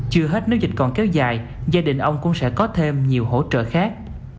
chưa hết nếu dịch còn kéo dài gia đình ông cũng sẽ có thêm nhiều hỗ trợ khác